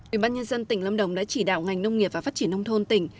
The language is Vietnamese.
ubnd tỉnh lâm đồng đã chỉ đạo ngành nông nghiệp và phát triển nông thôn tỉnh